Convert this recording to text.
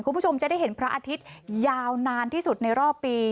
คุณผู้ชมจะได้เห็นพระอาทิตย์ยาวนานที่สุดในรอบปี